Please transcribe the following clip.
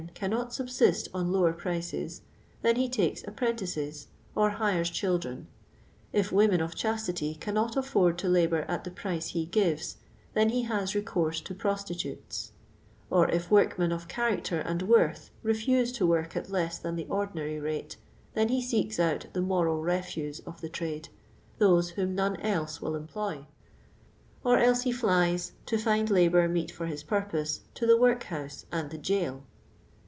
cannot subsist on lower prices, then he takes apprentices, or hires children ; if women of chastity cannot aiford to labour at the price he gives, then he has recourse to prostitutes ; or if workmen of chai acter and worth refuse to work at less than the ordinary rate, then he seeks out the monil refuse of the trade — those whom none else will employ ; or else he Hies, to find hibour meet for his purpose, to the workhouse and the gaol.